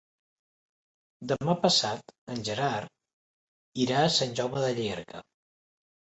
Demà passat en Gerard irà a Sant Jaume de Llierca.